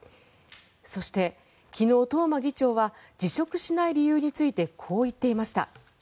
そして、昨日、東間議長は辞職しない理由についてこう言っていました。